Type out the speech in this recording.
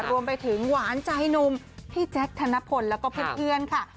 รวมไปถึงหวานใจหนุ่มพี่แจ๊คธนพลแล้วก็เพื่อนค่ะ